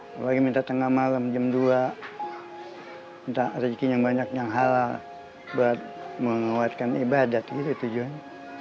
apalagi minta tengah malam jam dua minta rezeki yang banyak yang halal buat menguatkan ibadat itu tujuan